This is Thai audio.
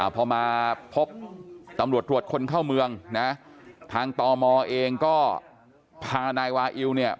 พอมาพบตำรวจตรวจคนเข้าเมืองนะทางตมเองก็พานายวาอิวเนี่ย